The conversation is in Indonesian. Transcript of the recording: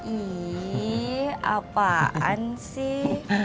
ih apaan sih